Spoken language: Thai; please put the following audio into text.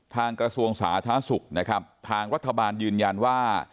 กระทรวงสาธารณสุขนะครับทางรัฐบาลยืนยันว่า